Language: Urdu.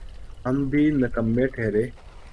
ہم بھی نکمّے ٹھہرے۔